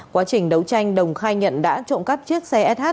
quá trình đấu tranh đồng khai nhận đã trộm cắp chiếc xe sh